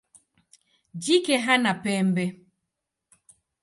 Jike hana pembe.